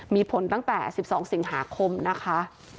มีผลตั้งแต่๑๒สิงหาคมนะคะ